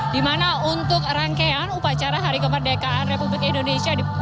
di mana untuk rangkaian upacara hari kemerdekaan republik indonesia